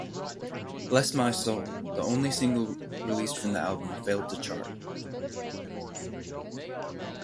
"Bless My Soul", the only single released from the album, failed to chart.